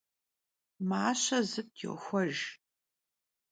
Maşe zıt' yoxuejj.